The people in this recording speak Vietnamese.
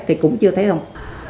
thì cũng chưa thấy không